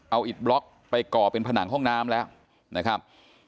เอาอิดบล็อกไปก่อเป็นผนังห้องน้ำแล้วนะครับ